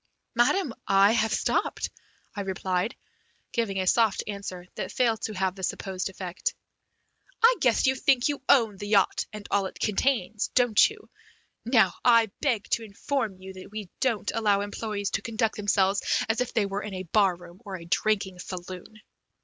"Madam, I have stopped," I replied, giving a soft answer that failed to have the supposed effect. "I guess you think you own the yacht and all it contains, don't you? Now, I beg to inform you that we don't allow employees to conduct themselves as if they were in a bar room or a drinking saloon."